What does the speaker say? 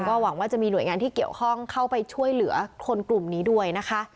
หวังว่าจะมีหน่วยงานที่เกี่ยวข้องเข้าไปช่วยเหลือคนกลุ่มนี้ด้วยนะคะ